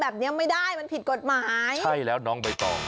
แบบนี้ไม่ได้มันผิดกฎหมายใช่แล้วน้องใบตอง